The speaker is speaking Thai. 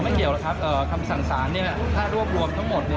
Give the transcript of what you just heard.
เกี่ยวหรอกครับคำสั่งสารถ้ารวบรวมทั้งหมด